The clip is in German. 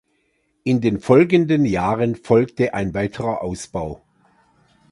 In den folgenden Jahren folgte ein weiterer Ausbau.